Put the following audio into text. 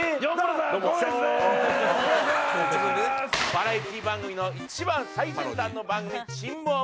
バラエティー番組の一番最先端の番組「珍棒村」。